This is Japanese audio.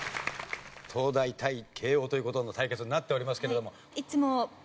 東大対慶應という事の対決になっておりますけれども。